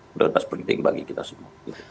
berlepas perinting bagi kita semua